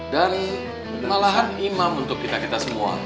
dan malahan imam untuk kita kita semua